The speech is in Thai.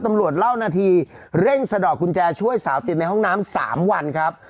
เล่านาทีเร่งสะดอกกุญแจช่วยสาวติดในห้องน้ำ๓วันครับ